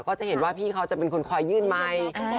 ก็จะเห็นว่าพี่เขาจะเป็นคนคอยยื่นไมค์